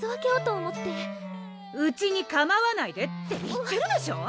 うちに構わないでって言ってるでしょ！